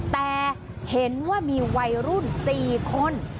แต่เห็นว่ามีวัยรุ่น๔คน